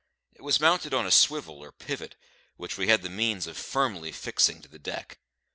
It was mounted on a swivel or pivot, which we had the means of firmly fixing to the deck.